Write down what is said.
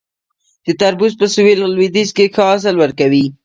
تربوز په سویل لویدیځ کې ښه حاصل ورکوي